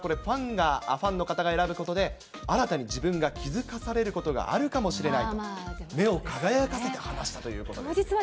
新庄ビッグボスは、ファンの方が選ぶことで、新たに自分が気付かされることがあるかもしれないと、目を輝かせて話したということです。